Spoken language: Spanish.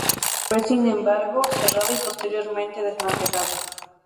Fue sin embargo cerrada y posteriormente desmantelada.